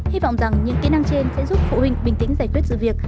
hy vọng rằng những kỹ năng trên sẽ giúp phụ huynh bình tĩnh giải quyết sự việc